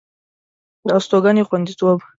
د استوګنې خوندیتوب